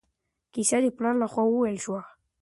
کیسه د پلار له خوا وویل شوه.